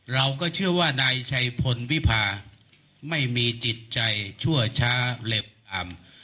เราก็เชื่อว่านายชัยพลวิพาไม่มีจิตใจชั่วช้าเหล็บอ่ำ